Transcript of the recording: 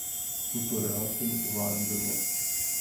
Tuto relaci uvádí dodnes.